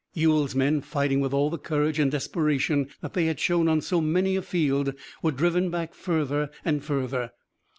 Ewell's men, fighting with all the courage and desperation that they had shown on so many a field, were driven back further and further.